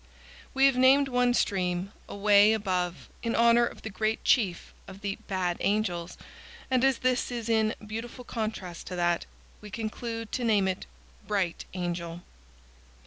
We have named one stream, away above, in honor of the great chief of the "Bad Angels," and as this is in beautiful contrast to that, we conclude to name it "Bright Angel."